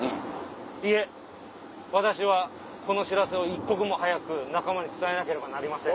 「いえ私はこの知らせを一刻も早く仲間に伝えなければなりません」。